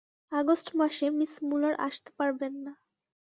অগষ্ট মাসে Miss Muller আসতে পারবেন না।